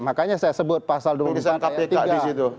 makanya saya sebut pasal dua puluh empat ayat tiga